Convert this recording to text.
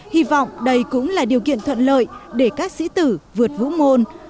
hy vọng đây cũng là điều kiện thuận lợi để các sĩ tử vượt vũ môn